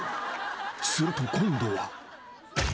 ［すると今度は］